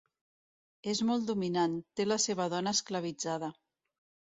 És molt dominant: té la seva dona esclavitzada.